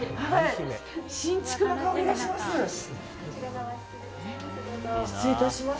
新築の香りがします。